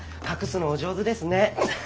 隠すのお上手ですね。